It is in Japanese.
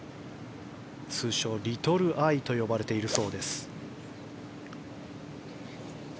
通称リトルアイと呼ばれているそうです。